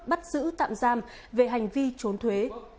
bắt giữ tạm giam về hành vi trốn thuế